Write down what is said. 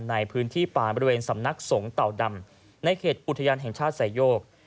ในพื้นที่ป่าบริเวณสำนักสงฆ์เต่าดำในเขตอุทยานแห่งชาติสายโยก